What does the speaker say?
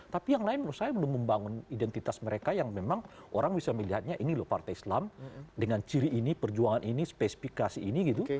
tapi yang lain menurut saya belum membangun identitas mereka yang memang orang bisa melihatnya ini loh partai islam dengan ciri ini perjuangan ini spesifikasi ini gitu